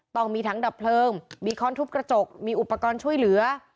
ต้องมีทั้งดับเพลิงมีค้อนทุบกระจกมีอุปกรณ์ช่วยเหลือ